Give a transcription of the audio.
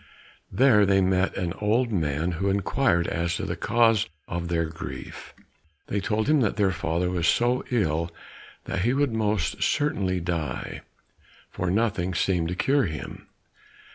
There they met an old man who inquired as to the cause of their grief. They told him that their father was so ill that he would most certainly die, for nothing seemed to cure him.